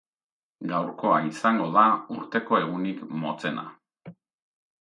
Gaurkoa izango da urteko egunik motzena.